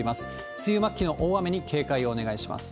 梅雨末期の大雨に警戒をお願いします。